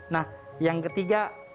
nah yang ketiga